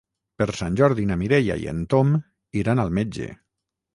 Per Sant Jordi na Mireia i en Tom iran al metge.